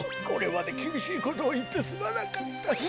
これまできびしいことをいってすまなかった。